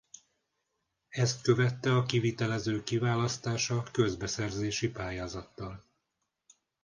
Ezt követte a kivitelezők kiválasztása közbeszerzési pályázattal.